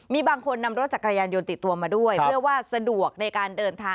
มีบางคนนำรถจักรยานยนต์ติดตัวมาด้วยเพื่อว่าสะดวกในการเดินทาง